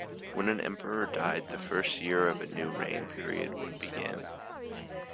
When an emperor died, the first year of a new reign period would begin.